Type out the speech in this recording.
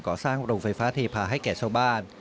ก่อสร้างโรงไฟฟ้าเทพาให้แก่ชาวบ้าน